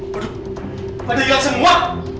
padahal pada hilang semua